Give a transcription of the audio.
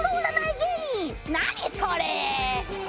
何それ⁉